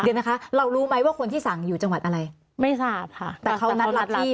เดี๋ยวนะคะเรารู้ไหมว่าคนที่สั่งอยู่จังหวัดอะไรไม่ทราบค่ะแต่เขานัดที่